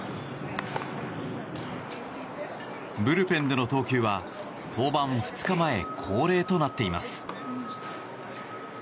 ブルペンでの投球は登板２日前恒例となっています。